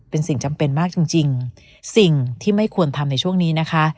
เป็นสิ่งจำเป็นมากจริงจริงสิ่งที่ไม่ควรทำในช่วงนี้นะคะ